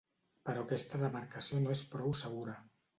Però aquesta demarcació no és prou segura.